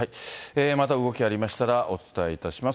また動きありましたらお伝えいたします。